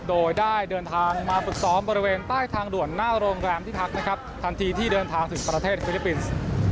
โดยได้เดินทางมาฝึกซ้อมบริเวณใต้ทางด่วนหน้าโรงแรมที่พักนะครับทันทีที่เดินทางถึงประเทศฟิลิปปินส์